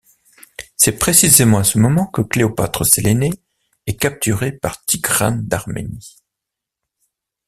C'est précisément à ce moment que Cléopâtre Séléné est capturée par Tigrane d'Arménie.